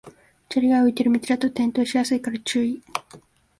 砂利が浮いてる道だと転倒しやすいから注意